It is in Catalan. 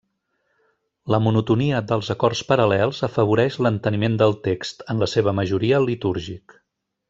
La monotonia dels acords paral·lels afavoreix l'enteniment del text, en la seva majoria litúrgic.